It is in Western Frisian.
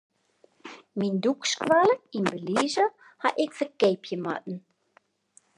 Myn dûkskoalle yn Belize haw ik ferkeapje moatten.